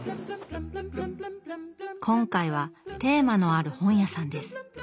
今回はテーマのある本屋さんです。